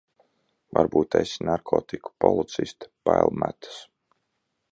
Varbūt esi narkotiku policiste, bail metas.